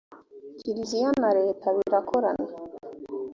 kiliziya na leta birakorana